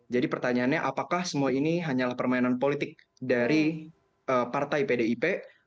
jadi pertanyaannya apakah semua ini hanyalah permainan politik dari partai pdip